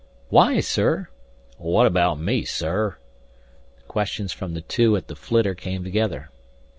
"Why, sir?" "What about me, sir?" The questions from the two at the flitter came together.